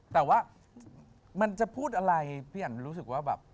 แต่ว่ามันจะพูดอะไรพี่อันรู้สึกว่าแบบ